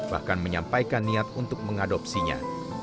bahkan menyampaikan niat untuk mengadopsinya